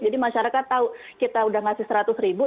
jadi masyarakat tahu kita sudah ngasih seratus ribu